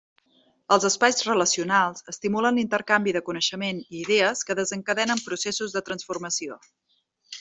Els espais relacionals estimulen l'intercanvi de coneixement i idees que desencadenen processos de transformació.